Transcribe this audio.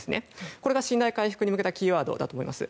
これが信頼回復に向けたキーワードだと思います。